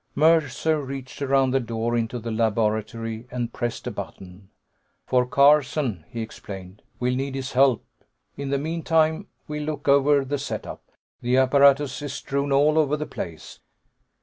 Mercer reached around the door into the laboratory and pressed a button. "For Carson," he explained. "We'll need his help. In the meantime, we'll look over the set up. The apparatus is strewn all over the place."